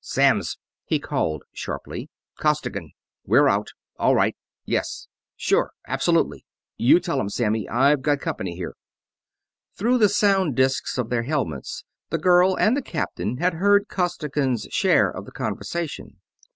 "Samms!" he called sharply. "Costigan. We're out ... all right ... yes ... sure ... absolutely ... you tell 'em, Sammy, I've got company here." Through the sound disks of their helmets the girl and the captain had heard Costigan's share of the conversation.